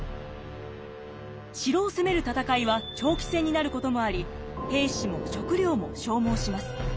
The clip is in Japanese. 城を攻める戦いは長期戦になることもあり兵士も食糧も消耗します。